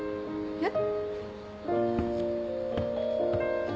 えっ？